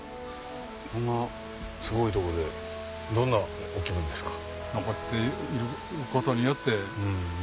こんなすごいとこでどんなお気分ですか？